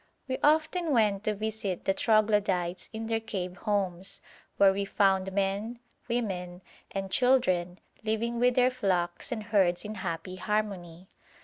We often went to visit the troglodytes in their cave homes, where we found men, women, and children living with their flocks and herds in happy harmony.